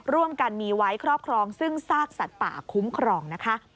ร่วมกันมีไว้ครอบครองซึ่งซากสัตว์ป่าคุ้มครองนะคะ